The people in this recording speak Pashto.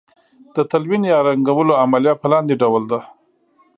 د تلوین یا رنګولو عملیه په لاندې ډول ده.